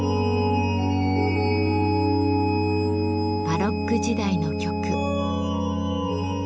バロック時代の曲。